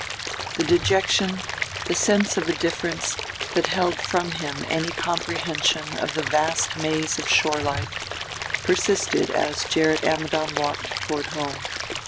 VIII The dejection, the sense of a difference that held from him any comprehension of the vast maze of shore life, persisted as Gerrit Ammidon walked toward home.